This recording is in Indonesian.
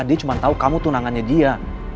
dia cuma tahu kamu tunangannya dia